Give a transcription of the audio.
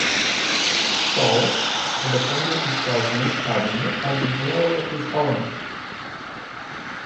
Saul had appointed his cousin Abner as the general of his army.